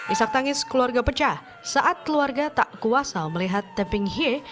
isak tangis keluarga pecah saat keluarga tak kuasa melihat tepping hie